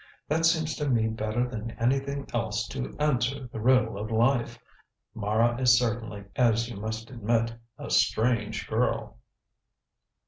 That seems to me better than anything else to answer the riddle of life. Mara is certainly, as you must admit, a strange girl."